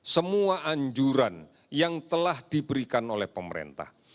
semua anjuran yang telah diberikan oleh pemerintah